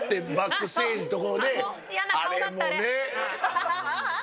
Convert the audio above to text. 嫌な顔だったね。